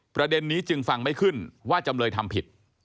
ประเด็นนี้จึงฟังไม่ขึ้นว่าจำเลยทำผิด